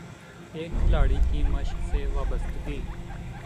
ایک کھلاڑی کی مشق سے وابستگی